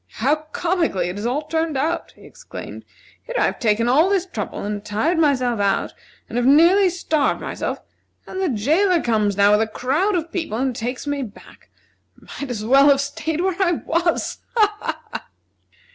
"How comically it has all turned out!" he exclaimed. "Here I've taken all this trouble, and tired myself out, and have nearly starved myself, and the jailer comes now, with a crowd of people, and takes me back. I might as well have staid where I was. Ha! ha!"